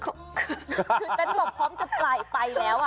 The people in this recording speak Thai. คือแกลบพร้อมจะไปแล้วว่ะ